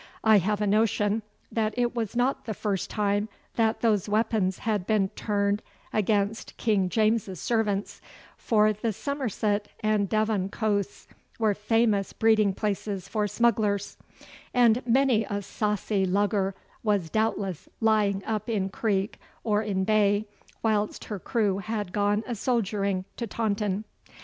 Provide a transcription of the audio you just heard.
I have a notion that it was not the first time that those weapons had been turned against King James's servants, for the Somerset and Devon coasts were famous breeding places for smugglers, and many a saucy lugger was doubtless lying up in creek or in bay whilst her crew had gone a soldiering to Taunton.